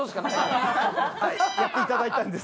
やっていただいたんですね。